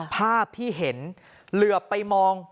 ภาพที่เห็นเหลือไปมอง